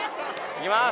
いきます！